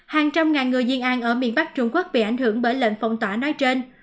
hàng trăm ngàn người diên an ở miền bắc trung quốc bị ảnh hưởng bởi lệnh phong tỏa nói trên